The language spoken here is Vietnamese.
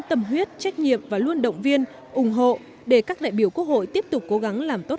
tâm huyết trách nhiệm và luôn động viên ủng hộ để các đại biểu quốc hội tiếp tục cố gắng làm tốt